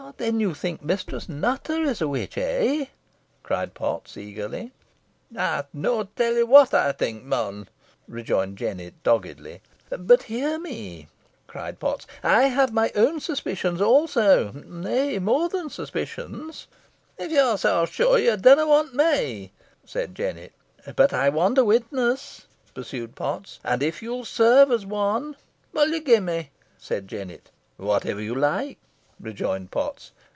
"Then you think Mistress Nutter is a witch, eh?" cried Potts, eagerly. "Ey'st neaw tell ye what ey think, mon," rejoined Jennet, doggedly. "But hear me," cried Potts, "I have my own suspicions, also, nay, more than suspicions." "If ye're shure, yo dunna want me," said Jennet. "But I want a witness," pursued Potts, "and if you'll serve as one " "Whot'll ye gi' me?" said Jennet. "Whatever you like," rejoined Potts.